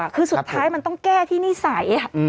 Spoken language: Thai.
คือสุดท้ายมันต้องแก้ที่นิสัย